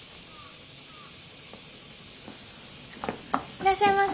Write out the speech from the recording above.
いらっしゃいませ。